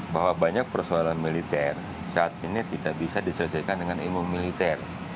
bahwa banyak persoalan militer saat ini tidak bisa diselesaikan dengan ilmu militer